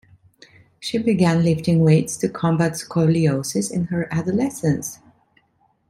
She began lifting weights to combat scoliosis in her adolescence.